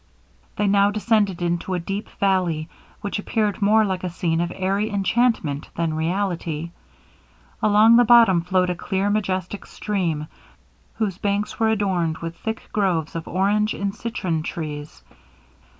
They now descended into a deep valley, which appeared more like a scene of airy enchantment than reality. Along the bottom flowed a clear majestic stream, whose banks were adorned with thick groves of orange and citron trees.